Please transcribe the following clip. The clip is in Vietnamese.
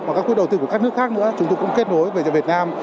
mà các quỹ đầu tư của các nước khác nữa chúng tôi cũng kết nối với việt nam